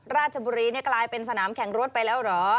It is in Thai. ราชบุรีกลายเป็นสนามแข่งรถไปแล้วเหรอ